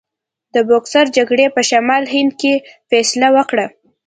د بوکسر جګړې په شمالي هند کې فیصله وکړه.